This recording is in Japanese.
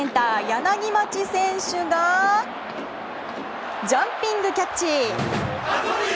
柳町選手がジャンピングキャッチ！